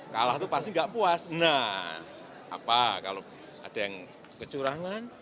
kalah itu pasti nggak puas nah apa kalau ada yang kecurangan